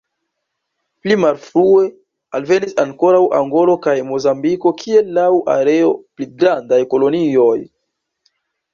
Pli malfrue alvenis ankoraŭ Angolo kaj Mozambiko kiel laŭ areo pli grandaj kolonioj.